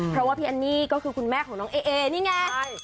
เพราะว่าพี่แอนนี่ก็คือคุณแม่ของน้องเอนี่ไง